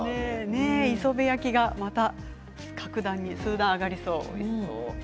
磯辺焼きが格段数段、上がりそうです。